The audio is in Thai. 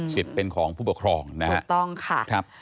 สิทธิ์เป็นของผู้ปกครองนะคะถูกต้องค่ะ